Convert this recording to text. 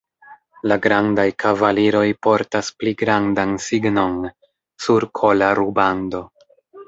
La grandaj kavaliroj portas pli grandan signon, sur kola rubando.